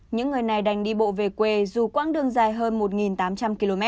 những người này đành đi bộ về quê dù quãng đường dài hơn một tám trăm linh km